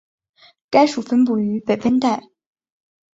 该属分布于北温带。